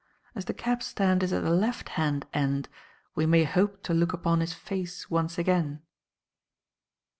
As the cabstand is at the left hand end, we may hope to look upon his face once again."